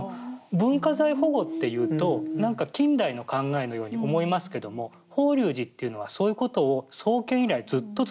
文化財保護っていうとなんか近代の考えのように思いますけども法隆寺っていうのはそういうことを創建以来ずっと続けてきてる。